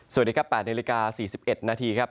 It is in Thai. สวัสดีครับ๘นิ้วลากาทนนาที๔๑นาทีครับ